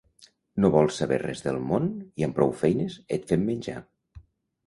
No vols saber res del món i amb prou feines et fem menjar.